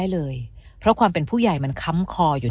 เลยเพราะความเป็นผู้ใหญ่มันค้ำคออยู่